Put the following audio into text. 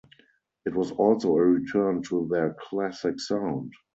It was also a return to their classic sound.